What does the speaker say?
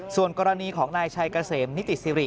ส่วนกรณีของนายชัยเกษมนิติสิริ